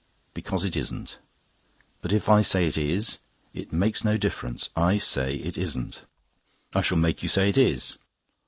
"Because it isn't." "But if I say it is?" "It makes no difference. I say it isn't." "I shall make you say it is."